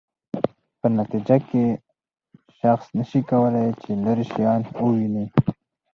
په نتیجه کې شخص نشي کولای چې لیرې شیان وویني.